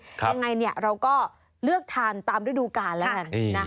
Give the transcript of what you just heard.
ยังไงเราก็เลือกทานตามฤดูกาลแล้วกัน